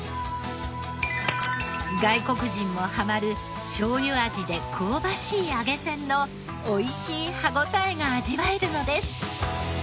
外国人もハマるしょうゆ味で香ばしい揚げせんのおいしい歯応えが味わえるのです。